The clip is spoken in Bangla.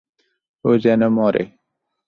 ও যেন মরে।